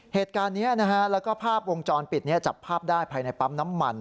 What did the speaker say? เหตุการณ์นี้นะฮะแล้วก็ภาพวงจรปิดจับภาพได้ภายในปั๊มน้ำมัน